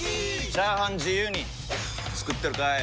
チャーハン自由に作ってるかい！？